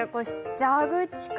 蛇口か